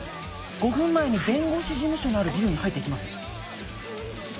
５分前に弁護士事務所のあるビルに入って行きます。